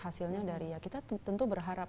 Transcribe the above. hasilnya dari ya kita tentu berharap